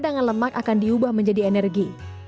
cadangan lemak akan diubah menjadi energi